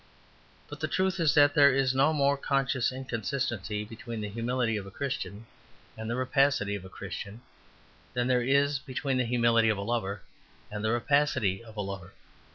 But the truth is that there is no more conscious inconsistency between the humility of a Christian and the rapacity of a Christian than there is between the humility of a lover and the rapacity of a lover.